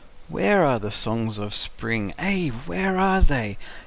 Where are the songs of Spring? Ay, where are they?